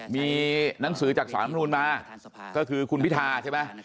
มีหนังสือจากสารมนุนมาก็คือคุณพิธาใช่ไหม